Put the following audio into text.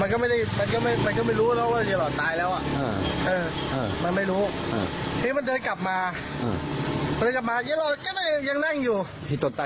กลัววิญญาณนางหลอด